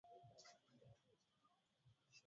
ya kuvunja ya Amazon Tobias Jackson mwandishi